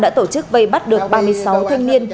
đã tổ chức vây bắt được ba mươi sáu thanh niên